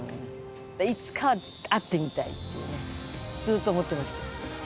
いつか会ってみたいってねずっと思ってました。